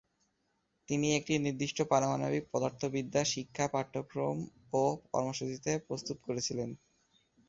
তিনি একটি নির্দিষ্ট পারমাণবিক পদার্থবিদ্যা শিক্ষা পাঠক্রম ও কর্মসূচি প্রস্তুত করেছিলেন।